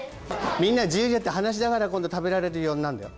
みんな自由だから、話ながら今度食べられるようになるんだよ。